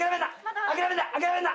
諦めるな。